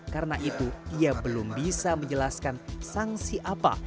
karena itu ia belum bisa menjelaskan sangsi apa